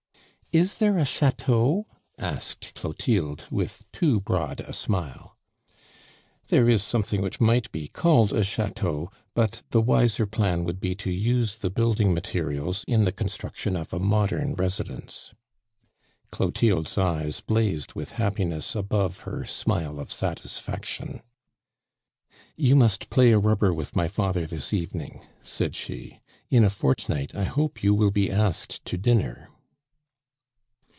"Is there a chateau?" asked Clotilde, with too broad a smile. "There is something which might be called a chateau; but the wiser plan would be to use the building materials in the construction of a modern residence." Clotilde's eyes blazed with happiness above her smile of satisfaction. "You must play a rubber with my father this evening," said she. "In a fortnight I hope you will be asked to dinner."